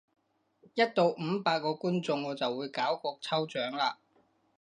一到五百個觀眾我就會搞個抽獎喇！